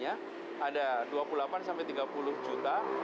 ada dua puluh delapan sampai tiga puluh juta